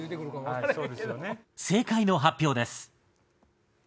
正解の発表です。